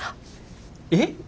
えっ？